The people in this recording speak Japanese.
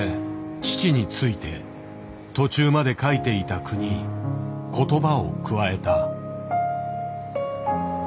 父について途中まで書いていた句に言葉を加えた。